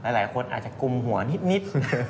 หลายคนอาจจะกุมหัวนิด